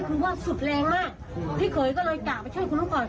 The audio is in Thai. คือว่าสุดแรงมากอืมพี่เคยก็เลยกล่าวไปช่วยคนที่ก่อน